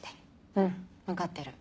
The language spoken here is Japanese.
うん分かってる。